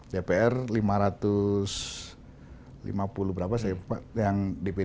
dpr lima ratus lima puluh berapa yang dpd satu ratus tiga puluh enam